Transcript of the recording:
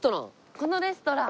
このレストラン。